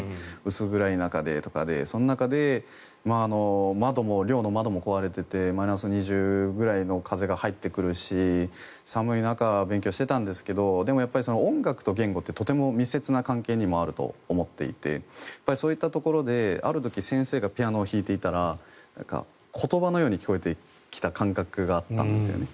薄暗い中でとかでその中で寮の窓も壊れていてマイナス２０度くらいの風が入ってくるし寒い中、勉強していたんですけどでも、音楽と言語ってとても密接な関係にもあると思っていてそういったところで、ある時先生がピアノを弾いていたら言葉のように聴こえてきた感覚があったんですよね。